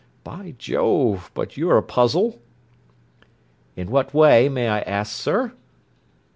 By Jove, but you're a puzzle!" "In what way, may I ask, sir?"